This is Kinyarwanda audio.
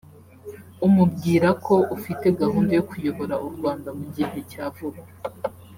umubwira ko ufite gahunda yo kuyobora u Rwanda mu gihe cya vuba